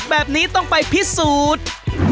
แบบนี้ต้องไปพิสูจน์